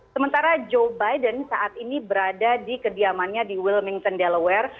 sementara joe biden saat ini berada di kediamannya di wilmington dellaware